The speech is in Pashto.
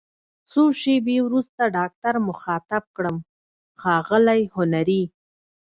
څو شیبې وروسته ډاکټر مخاطب کړم: ښاغلی هنري!